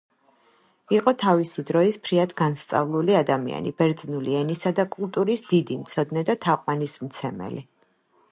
იყო თავისი დროის ფრიად განსწავლული ადამიანი, ბერძნული ენისა და კულტურის დიდი მცოდნე და თაყვანისმცემელი.